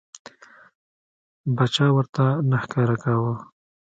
باچا ورته نه ښکاره کاوه.